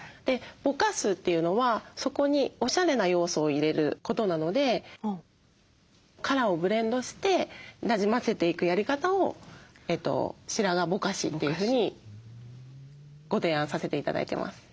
でぼかすというのはそこにおしゃれな要素を入れることなのでカラーをブレンドしてなじませていくやり方を白髪ぼかしというふうにご提案させて頂いてます。